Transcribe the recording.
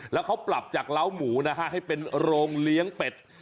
แล้วเขาปรับจากเล้าหมูนะฮะให้เป็นโรงเลี้ยงเป็ด